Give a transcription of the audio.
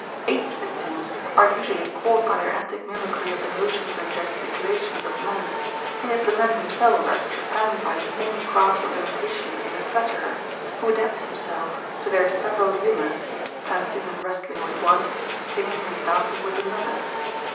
Apes, it seems, are usually caught by their antic mimicry of the motions and ges ticulations of men ; and yet the men themselves are trepanned by the same craft of imitation in a fiatteier, 108 HOW TO KNOW A FLATTERER who adapts himself to their several humors, fencing and wrestling with one, singing and dancing with another.